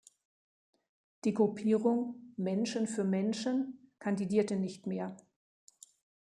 Die Gruppierung "Menschen für Menschen" kandidierte nicht mehr.